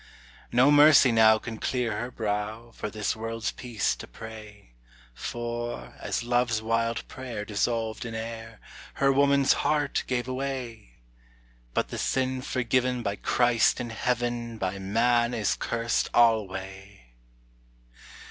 No mercy now can clear her brow For this world's peace to pray; For, as love's wild prayer dissolved in air, Her woman's heart gave way! But the sin forgiven by Christ in heaven By man is cursed alway!